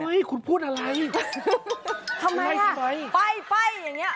เฮ้ยคุณพูดอะไรทำไมล่ะไปอย่างนี้